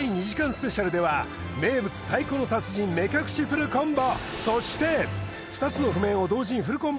スペシャルでは名物太鼓の達人目隠しフルコンボ